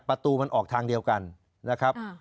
ประตูมันออกทางเดียวกันนะครับ